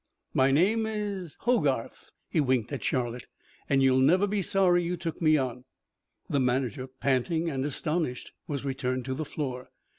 My name is Hogarth" he winked at Charlotte "and you'll never be sorry you took me on." The manager, panting and astonished, was returned to the floor.